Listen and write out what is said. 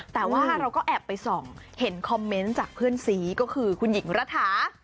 แต่ว่าเราก็แอบไปส่องเห็นคอมเมนต์จากเพื่อนซีก็คือคุณหญิงรัฐา